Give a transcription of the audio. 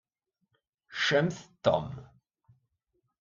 Shumt Tom!